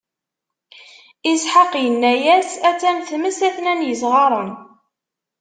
Isḥaq inna-yas: A-tt-an tmes, a-ten-an yesɣaren.